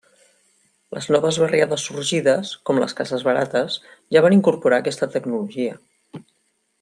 Les noves barriades sorgides, com les cases barates, ja van incorporar aquesta tecnologia.